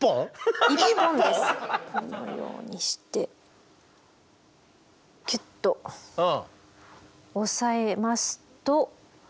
このようにしてギュッと押さえますと。